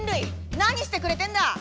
何してくれてんだ！